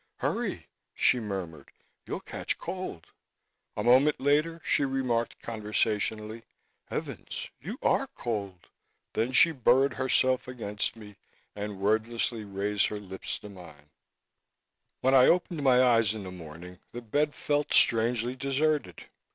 "Hurry!" she murmured. "You'll catch cold." A moment later, she remarked conversationally, "Heavens! You are cold." Then she burrowed herself against me and wordlessly raised her lips to mine. When I opened my eyes in the morning the bed felt strangely deserted.